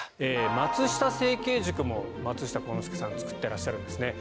松下政経塾も松下幸之助さん作ってらっしゃるんですね。